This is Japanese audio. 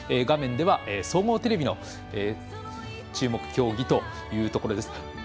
画面では総合テレビの注目競技というところです。